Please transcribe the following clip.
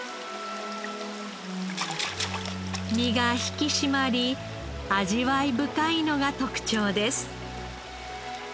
身が引き締まり味わい深いのが特長です。